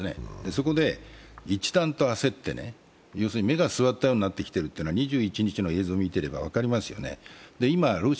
そこで一段と焦って、目が据わったようになったというのは２１日の映像を見ていればわかりますよね。